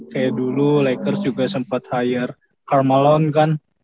kayak dulu lakers juga sempat hire carmelon kan